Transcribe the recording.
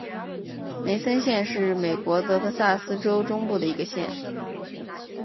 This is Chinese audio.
梅森县是美国德克萨斯州中部的一个县。